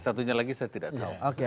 satunya lagi saya tidak tahu